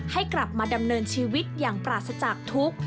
ให้กลับมาดำเนินชีวิตอย่างปราศจากทุกข์